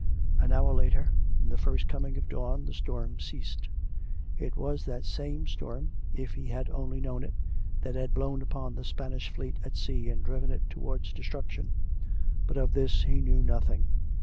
An hour later, with the first coming of the dawn, the storm ceasdd. (It was that same storm, if he had only known it, that had blown upon the Spanish Fleet at sea and driven it towards destruction. But of this he knew nothing.)